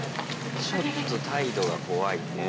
ちょっと態度が怖いね。